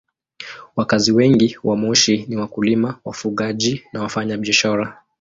Wakazi wengi wa Moshi ni wakulima, wafugaji na wafanyabiashara.